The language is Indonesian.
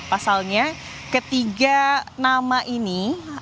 pasalnya ketiga nama ini